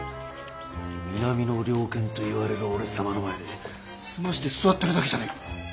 南の猟犬といわれる俺様の前で澄まして座ってるだけじゃねえか。